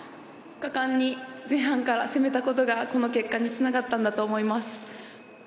果敢に前半から攻めたことがこの結果につながったんだと思います。